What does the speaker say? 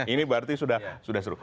ini berarti sudah seru